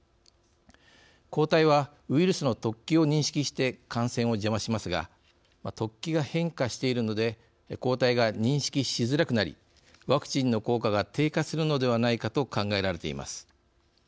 抗体はウイルスの突起を認識して感染を邪魔しますが突起が変化しているので抗体が認識しづらくなりワクチンの効果が低下するのではないかと考えられています。